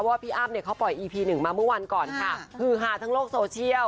พี่อ้ำเนี่ยเขาปล่อยอีพีหนึ่งมาเมื่อวันก่อนค่ะคือฮาทั้งโลกโซเชียล